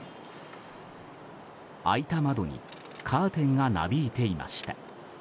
開いた窓にカーテンがなびいていました。